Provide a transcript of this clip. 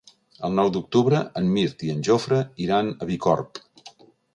El nou d'octubre en Mirt i en Jofre iran a Bicorb.